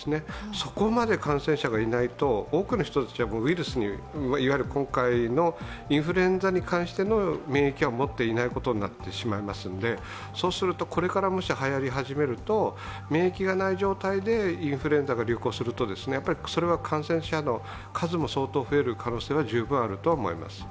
そこまで感染者がいないと、多くの人たちはウイルスに、今回のインフルエンザに関しての免疫は持っていないことになってしまいますんでそうすると、これからもしはやり始めると免疫がない状態でインフルエンザが流行するとやっぱりそれは、感染者の状況も増える可能性があります。